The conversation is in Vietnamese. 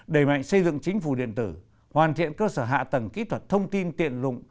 đẩy mạnh xây dựng chính phủ điện tử hoàn thiện cơ sở hạ tầng kỹ thuật thông tin tiện lụng